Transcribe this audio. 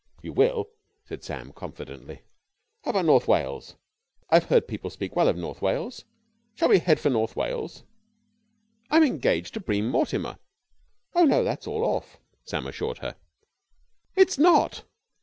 "You will!" said Sam confidently. "How about North Wales? I've heard people speak well of North Wales. Shall we head for North Wales?" "I'm engaged to Bream Mortimer." "Oh no, that's all off," Sam assured her. "It's not!"